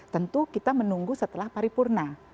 tentu kita menunggu setelah paripurna